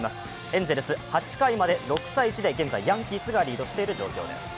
エンゼルス、８回まで６−１で現在ヤンキースがリードしています。